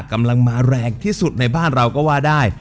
กำลังมาแรงที่สุดในบ้านเราก็ว่าได้